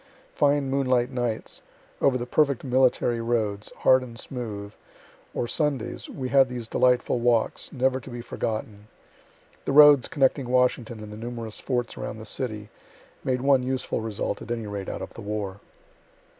Fine moonlight nights, over the perfect military roads, hard and smooth or Sundays we had these delightful walks, never to be forgotten. The roads connecting Washington and the numerous forts around the city, made one useful result, at any rate, out of the war.